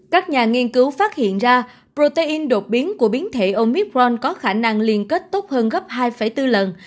các nhà nghiên cứu phát hiện ra protein đột biến của biến thể omipron có khả năng liên kết tốt hơn gấp hai bốn lần